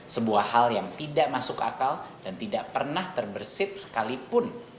sebuah hal yang tidak masuk akal dan tidak pernah terbersih sekalipun